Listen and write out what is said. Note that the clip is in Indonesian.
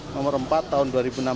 nomor empat tahun dua ribu enam belas